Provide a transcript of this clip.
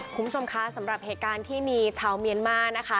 คุณผู้ชมคะสำหรับเหตุการณ์ที่มีชาวเมียนมานะคะ